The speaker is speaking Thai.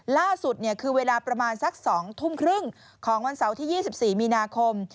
ล่าสุดคือเวลาประมาณสัก๒ทุ่มครึ่งของวันเสาร์ที่๒๔มีนาคม